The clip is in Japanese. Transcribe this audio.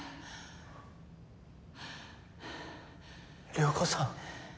涼子さん。